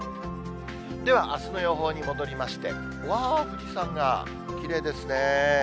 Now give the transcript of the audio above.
ではあすの予報に戻りまして、わー、富士山がきれいですね。